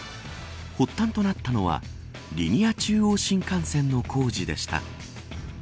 発端となったのはリニア中央新幹線の工事でした。